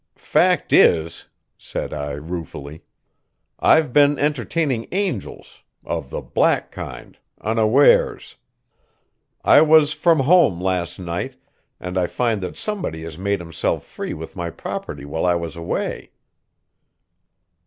"Fact is," said I ruefully, "I've been entertaining angels of the black kind unawares. I was from home last night, and I find that somebody has made himself free with my property while I was away."